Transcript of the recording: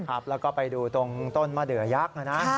ครับแล้วก็ไปดูตรงต้นมะเดือยักษ์นะนะ